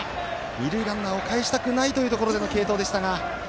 二塁ランナーをかえしたくないというところでの継投でしたが。